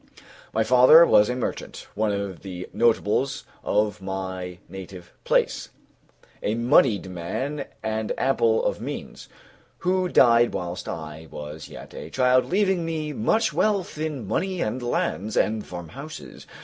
My father was a merchant, one of the notables of my native place, a moneyed man and ample of means, who died whilst I was yet a child, leaving me much wealth in money and lands, and farmhouses.